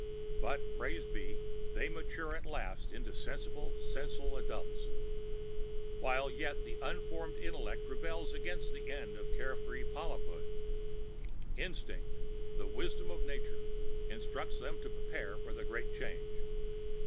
But, praise be, they mature at last into sensible sessile adults. While yet the unformed intellect rebels against the ending of care free polyphood, Instinct, the wisdom of Nature, instructs them to prepare for the great change!"